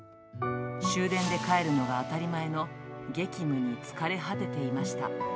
終電で帰るのが当たり前の激務に疲れ果てていました。